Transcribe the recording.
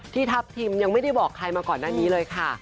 ทัพทิมยังไม่ได้บอกใครมาก่อนหน้านี้เลยค่ะ